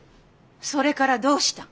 それからどうしたん？